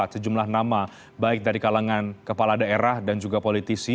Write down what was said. sejumlah nama baik dari kalangan kepala daerah dan juga politisi